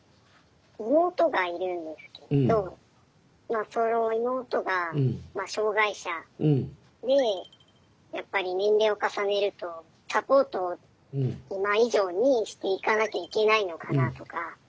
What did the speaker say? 妹がいるんですけれどまあその妹がまあ障害者でやっぱり年齢を重ねるとサポートを今以上にしていかなきゃいけないのかなとか。